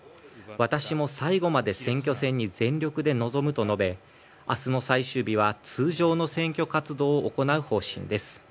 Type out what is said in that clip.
私も最後まで選挙戦に全力で臨むと述べ明日の最終日は通常の選挙活動を行う方針です。